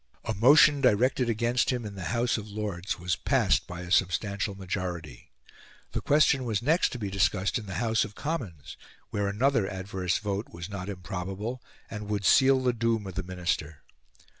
A motion directed against him in the House of Lords was passed by a substantial majority. The question was next to be discussed in the House of Commons, where another adverse vote was not improbable, and would seal the doom of the Minister.